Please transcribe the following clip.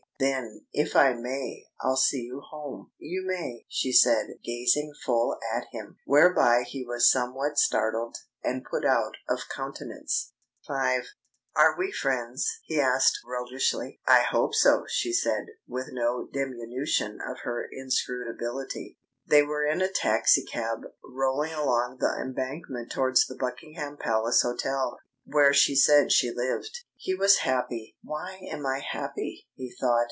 "Then, if I may, I'll see you home." "You may," she said, gazing full at him. Whereby he was somewhat startled and put out of countenance. V. "Are we friends?" he asked roguishly. "I hope so," she said, with no diminution of her inscrutability. They were in a taxicab, rolling along the Embankment towards the Buckingham Palace Hotel, where she said she lived. He was happy. "Why am I happy?" he thought.